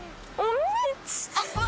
うん。